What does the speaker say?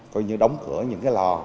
coi như đóng cửa những cái lò